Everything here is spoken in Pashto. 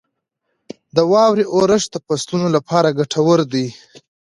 • د واورې اورښت د فصلونو لپاره ګټور دی.